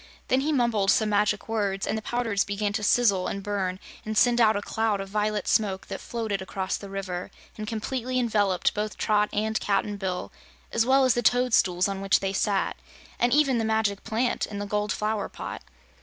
Then he mumbled some magic words, and the powders began to sizzle and burn and send out a cloud of violet smoke that floated across the river and completely enveloped both Trot and Cap'n Bill, as well as the toadstools on which they sat, and even the Magic Plant in the gold flower pot.